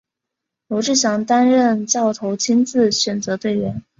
罗志祥担任教头亲自选择队员。